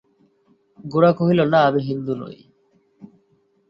গোরা কহিল, না, আমি হিন্দু নই।